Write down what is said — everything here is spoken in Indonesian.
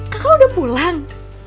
kakak sudah pulang